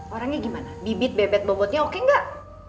orangnya gimana bibit bebet bobotnya oke enggak